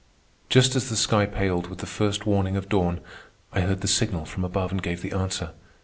Just as the sky paled with the first warning of dawn, I heard the signal from above and gave the answer.